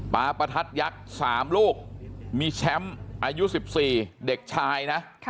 ประทัดยักษ์๓ลูกมีแชมป์อายุ๑๔เด็กชายนะ